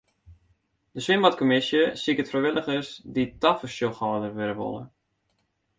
De swimbadkommisje siket frijwilligers dy't tafersjochhâlder wurde wolle.